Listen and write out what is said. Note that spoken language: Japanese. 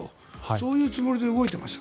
そういうつもりで動いていました。